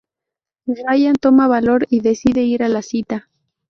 Ryan toma valor y decide ir a la cita.